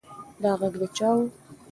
دا غږ د چا و؟